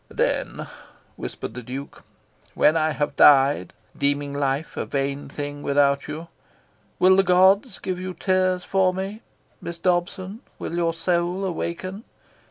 "Then," whispered the Duke, "when I shall have died, deeming life a vain thing without you, will the gods give you tears for me? Miss Dobson, will your soul awaken?